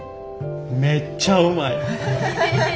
めっちゃうまい。